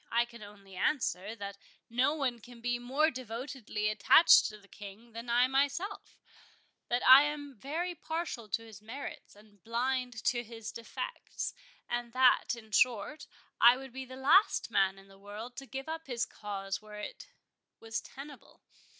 I can only answer, that no one can be more devotedly attached to the King than I myself,—that I am very partial to his merits and blind to his defects;—and that, in short, I would be the last man in the world to give up his cause where it was tenable.